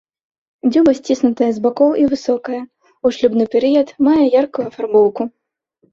Дзюба сціснутая з бакоў і высокая, у шлюбны перыяд мае яркую афарбоўку.